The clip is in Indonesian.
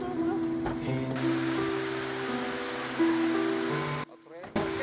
tuhan dulu dulu